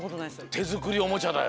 てづくりおもちゃだよ！